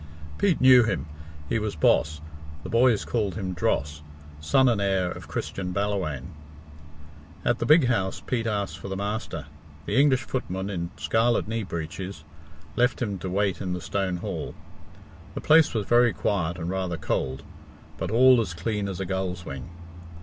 Pete knew him he was Boss, the boys called him Dross, son and heir of Christian Ballawhaine. At the big house Pete asked for the master. The English footman, in scarlet knee breeches, left him to wait in the stone hall. The place was very quiet and rather cold, but all as clean as a gull's wing.